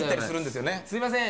すいません